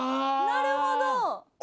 なるほど。